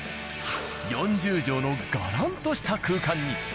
４０畳のがらんとした空間に。